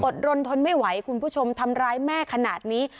รนทนไม่ไหวคุณผู้ชมทำร้ายแม่ขนาดนี้